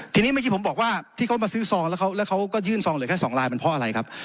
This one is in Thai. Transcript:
ทีนี้เมื่อกี้ผมบอกว่าที่เขามาซื้อซองแล้วเขาก็ยื่นซองเหลือแค่๒ลายมันเพราะอะไรครับ